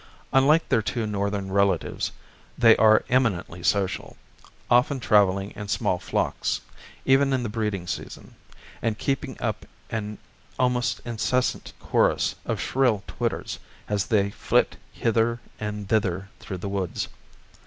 Unlike their two Northern relatives, they are eminently social, often traveling in small flocks, even in the breeding season, and keeping up an almost incessant chorus of shrill twitters as they flit hither and thither through the woods.